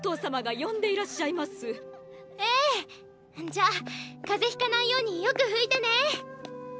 じゃ風邪ひかないようによく拭いてね！